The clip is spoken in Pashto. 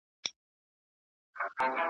شپې له اوښکو سره رغړي ورځي وړي د عمر خښتي `